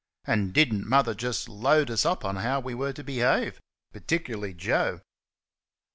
And did n't Mother just load us up how we were to behave particularly Joe.